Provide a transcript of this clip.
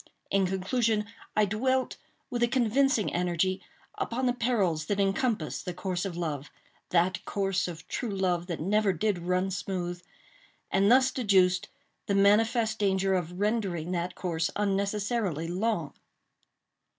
In conclusion, I dwelt, with a convincing energy, upon the perils that encompass the course of love—that course of true love that never did run smooth—and thus deduced the manifest danger of rendering that course unnecessarily long.